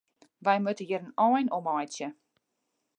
Wy moatte hjir in ein oan meitsje.